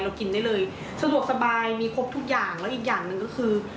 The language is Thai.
กินได้เลยสะดวกสบายมีครบทุกอย่างแล้วอีกอย่างหนึ่งก็คือ